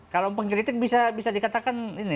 kalau pengkritik bisa dikatakan